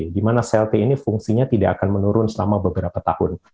di mana sel t ini fungsinya tidak akan menurun selama beberapa tahun